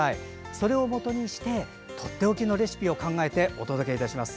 それをもとにしてとっておきのレシピを考えてお届けいたします。